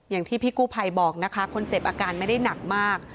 อย่างที่พี่กู้ภัยบอกนะคะคนเจ็บอาการไม่ได้หนักมาก